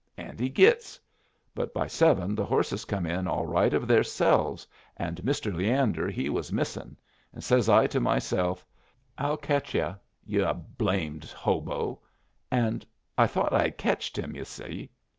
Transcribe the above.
And he gits. But by seven the horses come in all right of theirselves, and Mr. Leander he was missin'; and says I to myself, 'I'll ketch you, yu' blamed hobo.' And I thought I had ketched him, yu' see.